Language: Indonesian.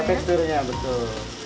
ada teksturnya betul